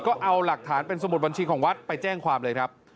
ก็เอาหลักฐานเป็นสมุดบัญชีของวัดไปแจ้งความเลยครับ